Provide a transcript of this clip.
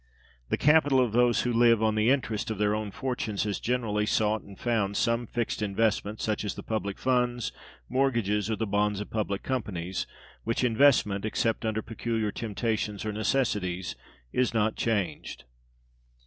The capital of those who live on the interest of their own fortunes has generally sought and found some fixed investment, such as the public funds, mortgages, or the bonds of public companies, which investment, except under peculiar temptations or necessities, is not changed.